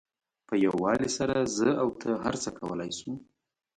په یووالي سره زه او ته هر څه کولای شو.